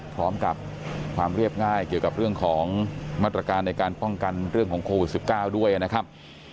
พร้อมกับความเรียบง่ายเกี่ยวกับเรื่องของมาตรการในการป้องกันเรื่องของโควิด๑๙ด้วยนะครับ